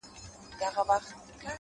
د ځان وژني د رسۍ خریدارۍ ته ولاړم،